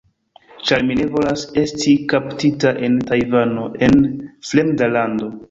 ĉar mi ne volas esti kaptita en Tajvano, en fremda lando